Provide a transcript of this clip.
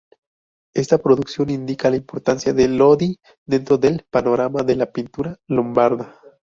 Esta producción indica la importancia de Lodi dentro del panorama de la pintura lombarda.